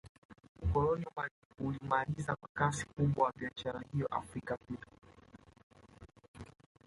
Ukoloni ulimaliza kwa kiasi kikubwa biashara hiyo Afrika pia